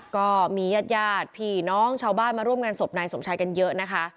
ก็มีญาติญาติพี่น้องชาวบ้านมาร่วมงานศพนายสมชายกันเยอะนะคะ